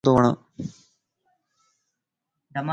توک ڪھڙو ڊرامو تو وڻ؟